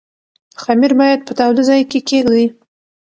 خمیر باید په تاوده ځای کې کېږدئ.